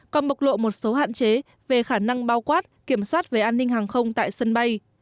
còn bộc lộ một số hạn chế về khả năng bao quát kiểm soát về an ninh hàng không tại sân bay